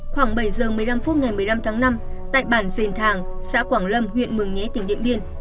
khoảng bảy giờ một mươi năm phút ngày một mươi năm tháng năm tại bản dền thàng xã quảng lâm huyện mường nhé tỉnh điện biên